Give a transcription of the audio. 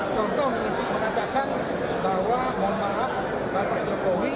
contoh mengatakan bahwa bambang jokowi ini keturunan dari a